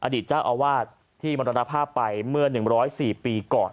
อดีตเจ้าอวาดที่มรณภาพไปเมื่อหนึ่งร้อยสี่ปีก่อน